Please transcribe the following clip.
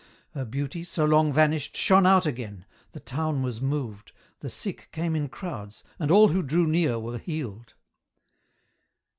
Her beauty, so long vanished, shone out again, the town was moved, the sick came in crowds, and all who drew near were healed.